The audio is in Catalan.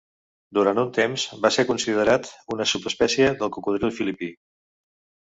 Durant un temps va ser considerat una subespècie del cocodril filipí.